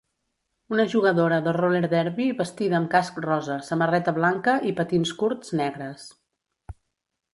Una jugadora de roller derbi vestida amb casc rosa, samarreta blanca i patins curts negres.